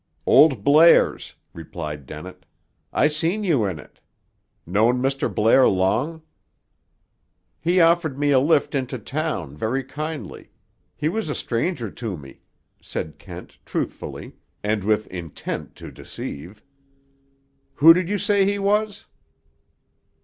"Old Blair's," replied Dennett. "I seen you in it. Known Mr. Blair long?" "He offered me a lift into town, very kindly. He was a stranger to me," said Kent truthfully, and with intent to deceive. "Who did you say he was?"